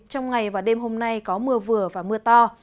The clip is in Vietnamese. trong ngày và đêm hôm nay có mưa vừa và mưa to